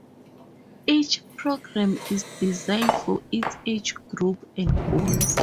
Each program is designed for its age group and goals.